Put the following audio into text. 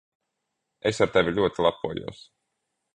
Es ar tevi ļoti lepojos!